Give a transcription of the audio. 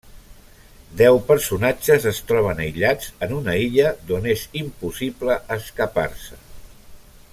Deu personatges es troben aïllats en una illa d'on és impossible escapar-se.